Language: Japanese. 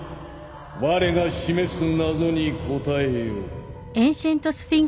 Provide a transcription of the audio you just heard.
われが示す謎に答えよ。